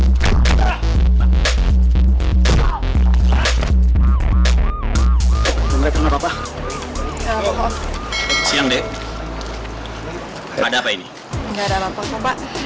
gak ada apa apa pak